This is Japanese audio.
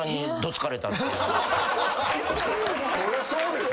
そりゃそうですよ